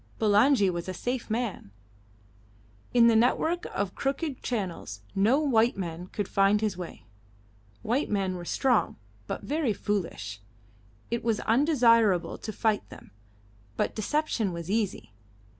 Bulangi was a safe man. In the network of crooked channels no white man could find his way. White men were strong, but very foolish. It was undesirable to fight them, but deception was easy.